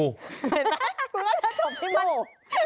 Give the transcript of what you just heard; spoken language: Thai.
เห็นไหมคุณว่าจะจบที่โม